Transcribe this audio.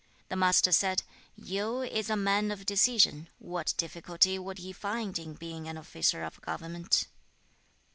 The Master said, 'Yu is a man of decision; what difficulty would he find in being an officer of government?'